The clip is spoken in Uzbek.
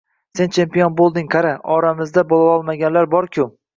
Sen champion bo‘lding, qara, oramizda bo‘lolmaganlar borku